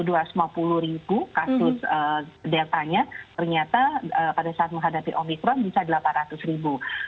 kalau di amerika itu dua ratus lima puluh ribu kasus deltanya ternyata pada saat menghadapi omicron bisa delapan ratus ribu